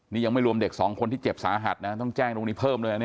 นี่ยังไม่รวมเด็กสองคนที่เจ็บสาหัสนะต้องแจ้งตรงนี้เพิ่มด้วยนะ